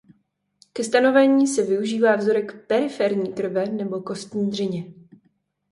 Ke stanovení se využívá vzorek periferní krve nebo kostní dřeně.